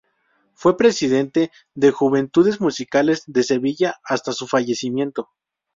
Fue Presidente de Juventudes Musicales de Sevilla hasta su fallecimiento.